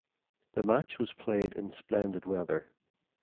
The match was played in splendid weather.